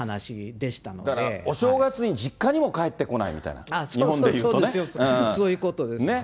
だからお正月に実家にも帰ってこないみたいな、日本で言うとそうですよ、ねっ。